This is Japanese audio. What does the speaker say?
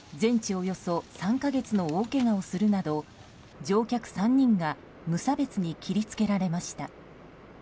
およそ３か月の大けがをするなど乗客３人が無差別に切り付けられました。